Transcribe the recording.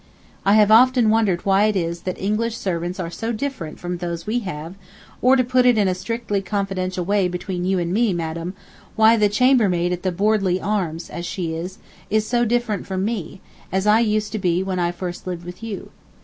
I have often wondered why it is that English servants are so different from those we have, or, to put it in a strictly confidential way between you and me, madam, why the chambermaid at the "Bordley Arms," as she is, is so different from me, as I used to be when I first lived with you.